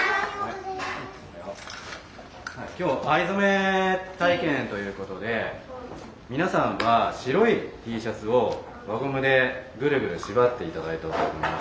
今日藍染め体験ということで皆さんは白いＴシャツを輪ゴムでぐるぐる縛って頂いたと思います。